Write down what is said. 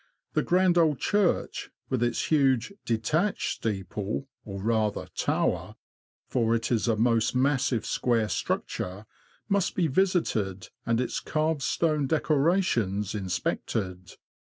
The grand old church, with its huge detached steeple, or rather tower — for it is a most massive, square structure — must be visited and its carved stone decorations inspected.